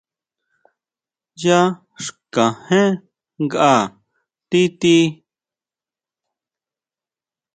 Yá xkajén nkʼa ti tí.